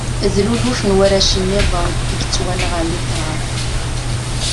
D luluf n warrac-nniḍen i yettwanɣan deg tṛad.